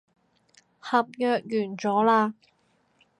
合約完咗喇